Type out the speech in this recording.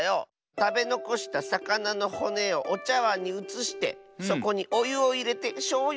たべのこしたさかなのほねをおちゃわんにうつしてそこにおゆをいれてしょうゆをチョロっとたらすのじゃ。